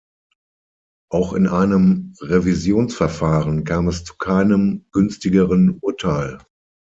Auch in einem Revisionsverfahren kam es zu keinem günstigeren Urteil.